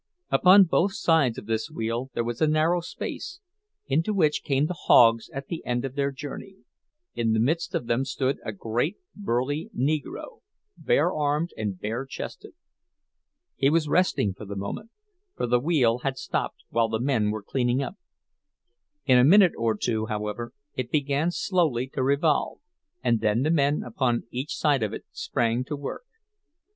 Upon both sides of this wheel there was a narrow space, into which came the hogs at the end of their journey; in the midst of them stood a great burly Negro, bare armed and bare chested. He was resting for the moment, for the wheel had stopped while men were cleaning up. In a minute or two, however, it began slowly to revolve, and then the men upon each side of it sprang to work.